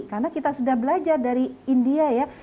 karena kita sudah belajar dari india ya